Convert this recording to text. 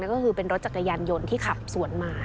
ก็คือเป็นรถจักรยานยนต์ที่ขับสวนมา